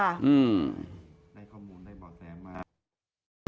อืม